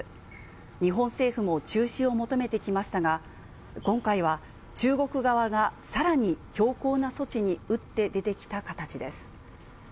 日本政府も中止を求めてきましたが、今回は中国側がさらに強硬な措置に打って出てきた形です。